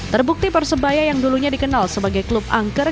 terbukti persebaya yang dulunya dikenal sebagai klub angker